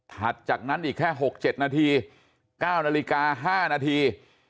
จากนั้นอีกแค่๖๗นาที๙นาฬิกา๕นาที